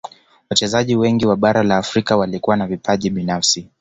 wachezaji wengi wa bara la afrika walikuwa na vipaji binafsi